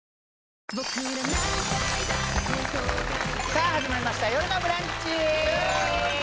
さあ始まりました「よるのブランチ」